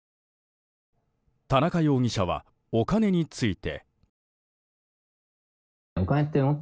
田中容疑者はお金について。